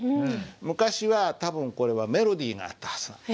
昔は多分これはメロディーがあったはずなんです。